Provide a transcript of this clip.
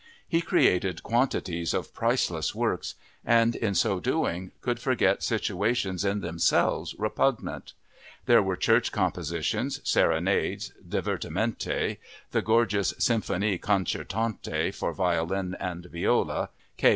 He created quantities of priceless works and, in so doing, could forget situations in themselves repugnant. There were church compositions, serenades, divertimenti; the gorgeous Symphonie Concertante for violin and viola (K.